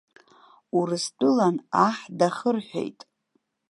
Урыстәылан аҳ дахырҳәеит!